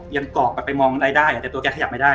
กรอกแบบไปมองอะไรได้แต่ตัวแกขยับไม่ได้